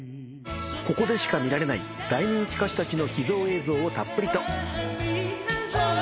ここでしか見られない大人気歌手たちの秘蔵映像をたっぷりと。